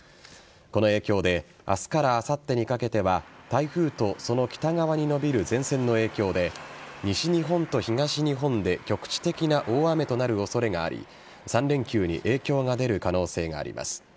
この影響で明日からあさってにかけては台風とその北側に伸びる前線の影響で西日本と東日本で局地的な大雨となる恐れがあり３連休に影響が出る可能性があります。